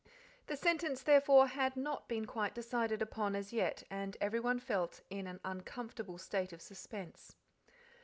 The sentence therefore had not been quite decided upon as yet, and everyone felt in an uncomfortable state of suspense.